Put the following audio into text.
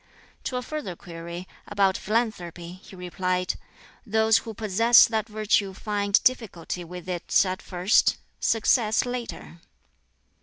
To a further query, about philanthropy, he replied, "Those who possess that virtue find difficulty with it at first, success later.